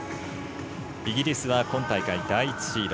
イギリスは今大会第１シード。